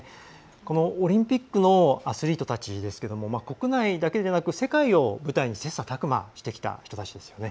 このオリンピックのアスリートたちですけど国内だけでなく世界を舞台に切さたく磨してきた人たちですよね。